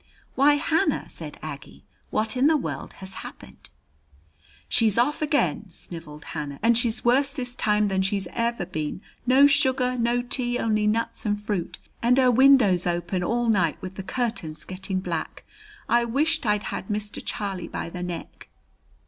"Why, Hannah!" said Aggie. "What in the world has happened?" "She's off again!" sniveled Hannah; "and she's worse this time than she's ever been. No sugar, no tea, only nuts and fruit, and her windows open all night, with the curtains getting black. I wisht I had Mr. Charlie by the neck."